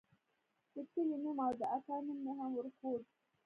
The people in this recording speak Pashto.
د کلي نوم او د اکا نوم مې هم وروښود.